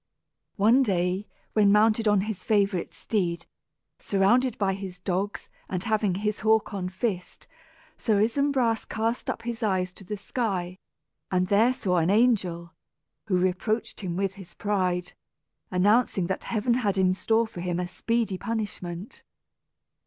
One day when mounted on his favorite steed, surrounded by his dogs, and having his hawk on fist, Sir Isumbras cast up his eyes to the sky, and there saw an angel, who reproached him with his pride, announcing that Heaven had in store for him a speedy punishment.